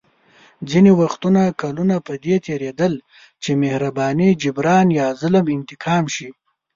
ځینې وختونه کلونه په دې تېرېدل چې مهرباني جبران یا ظلم انتقام شي.